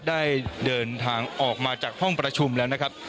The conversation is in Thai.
ได้เดินทางออกมาจากห้องประชุมแล้วนะครับ